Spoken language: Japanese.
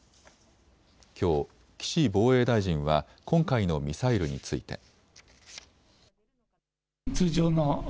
きょう、岸防衛大臣は今回のミサイルについて。